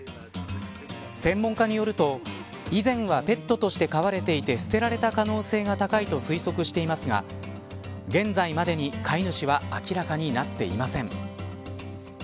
専門家によると以前はペットとして飼われていて捨てられた可能性が高いと推測していますが現在までに飼い主は明らかになっていません。